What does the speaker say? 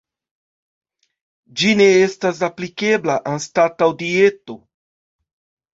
Ĝi ne estas aplikebla anstataŭ dieto.